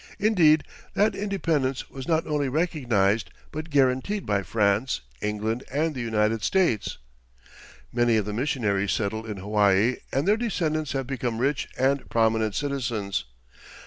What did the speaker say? Indeed, that independence was not only recognized but guaranteed by France, England and the United States. Many of the missionaries settled in Hawaii, and their descendants have become rich and prominent citizens.